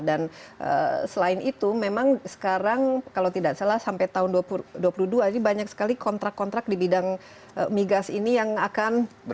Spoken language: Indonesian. dan selain itu memang sekarang kalau tidak salah sampai tahun dua puluh dua ini banyak sekali kontrak kontrak di bidang migas ini yang akan